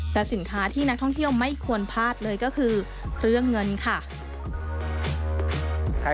แต่สินค้าที่นักท่องเที่ยวไม่ควรพลาดเลยก็คือเครื่องเงินค่ะ